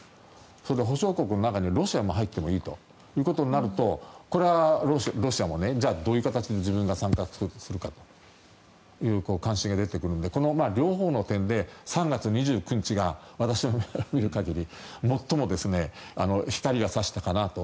その保証国の中にロシアも入っていいということになるとこれはロシアもじゃあ、どういう形で自分が参加するかという関心が出てくるのでこの両方の点で３月２９日が私の見る限り最も光が差したかなと。